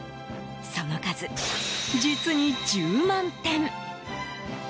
その数、実に１０万点！